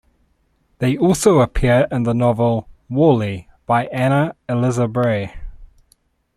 They also appear in the novel "Warleigh" by Anna Eliza Bray.